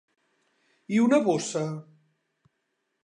I una bossa?